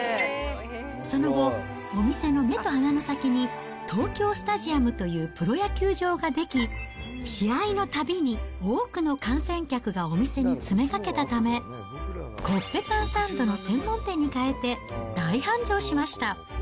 その後、お店の目と鼻の先に、東京スタジアムというプロ野球場が出来、試合のたびに多くの観戦客がお店に詰めかけたため、コッペパンサンドの専門店に変えて、大繁盛しました。